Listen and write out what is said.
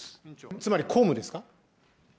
つまり公務ですか。